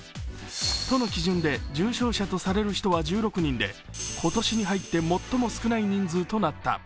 都の基準で重症者とされる人は１６人で今年に入って最も少ない人数となった。